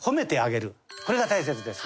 これが大切です。